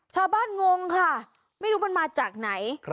ชาวบ้านงงค่ะไม่รู้มันมาจากไหน